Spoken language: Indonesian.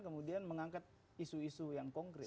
kemudian mengangkat isu isu yang konkret